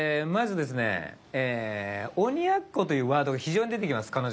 まずですね「鬼奴」というワードが非常に出てきます